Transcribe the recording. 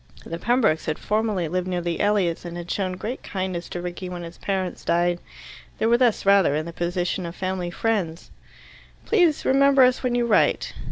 The Pembrokes had formerly lived near the Elliots, and had shown great kindness to Rickie when his parents died. They were thus rather in the position of family friends. "Please remember us when you write."